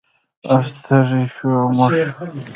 اس تږی شو او مړ شو.